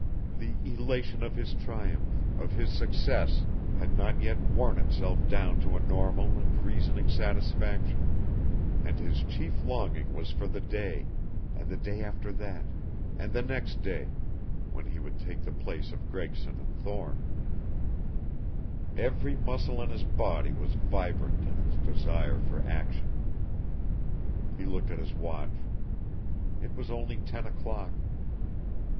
The elation of his triumph, of his success, had not yet worn itself down to a normal and reasoning satisfaction, and his chief longing was for the day, and the day after that, and the next day, when he would take the place of Gregson and Thorne. Every muscle in his body was vibrant in its desire for action. He looked at his watch. It was only ten o'clock.